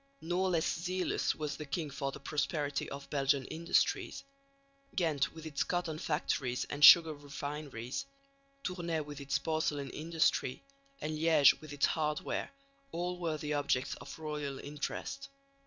No less zealous was the king for the prosperity of Belgian industries; Ghent with its cotton factories and sugar refineries, Tournai with its porcelain industry, and Liège with its hardware, all were the objects of royal interest.